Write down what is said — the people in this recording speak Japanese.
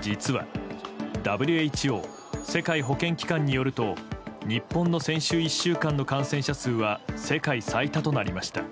実はＷＨＯ・世界保健機関によると日本の先週１週間の感染者数は世界最多となりました。